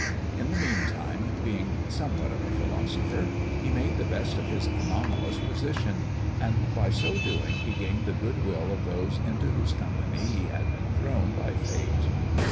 Li the meantime, being somewhat of a philosopher, he made the best of his anomalous position, and by so doing he gained the goodwill of those into whose company he had been thrown by Fate.